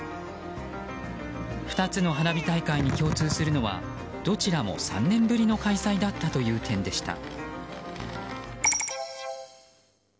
２つの花火大会に共通するのはどちらも３年ぶりの開催だったという点でした。